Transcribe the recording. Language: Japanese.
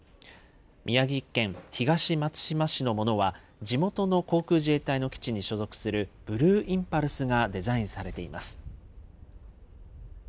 宮城県東松島市のものは、地元の航空自衛隊の基地に所属するブルーインパルスがデザインされています。